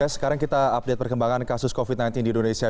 sekarang kita update perkembangan kasus covid sembilan belas di indonesia